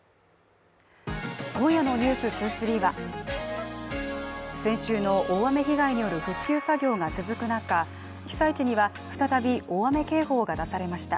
今夜の「ｎｅｗｓ２３」は、先週の大雨被害による復旧作業が続く中、被災地には再び大雨警報が出されました。